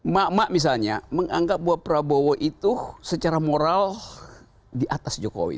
mak mak misalnya menganggap bahwa prabowo itu secara moral di atas jokowi